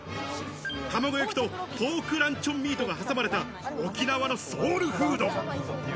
卵焼きとポークランチョンミートが挟まれた沖縄のソウルフード。